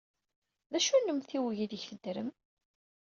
D acu n umtiweg aydeg teddrem?